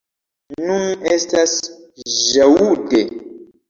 Nun estas ĵaŭde.